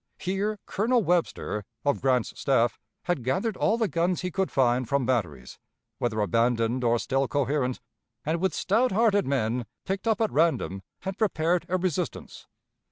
Here Colonel Webster, of Grant's staff, had gathered all the guns he could find from batteries, whether abandoned or still coherent, and with stout hearted men, picked up at random, had prepared a resistance.